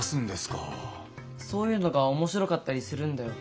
そういうのが面白かったりするんだよ。